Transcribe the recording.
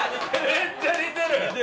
めっちゃ似てる！